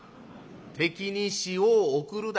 「『敵に塩を送る』だ」。